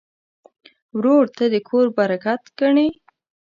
ورور ته د کور برکت ګڼې.